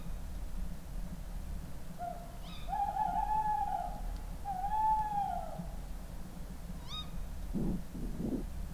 He began spending considerable time with the Plein Air impressionist painters in Laguna Beach.